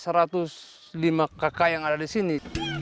cuma kakak yang ada disini